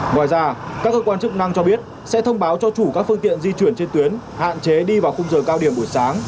ngoài ra các cơ quan chức năng cho biết sẽ thông báo cho chủ các phương tiện di chuyển trên tuyến hạn chế đi vào khung giờ cao điểm buổi sáng